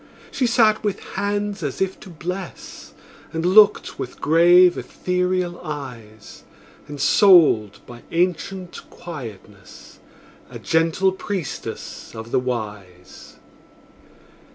She sat with hands as if to bless, And looked with grave, ethereal eyes; Ensouled by ancient quietness, A gentle priestess of the Wise.